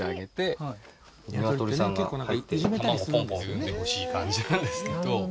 ニワトリさんが入って卵ポンポン産んでほしい感じなんですけど。